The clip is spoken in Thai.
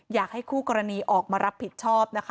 อยากให้คู่กรณีออกมารับผิดชอบนะคะ